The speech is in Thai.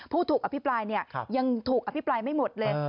ผู้ถูกอภิปรายยังถูกอภิปรายไม่หมดเลย